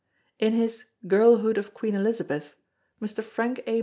In his Girlhood of Queen Elizabeth Mr. Frank A.